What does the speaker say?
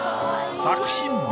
作品名。